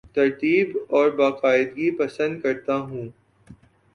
ترتیب اور باقاعدگی پسند کرتا ہوں